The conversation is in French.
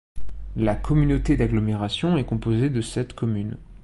La communauté d'agglomération est composée de sept communes.